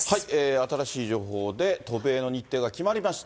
新しい情報で、渡米の日程が決まりました。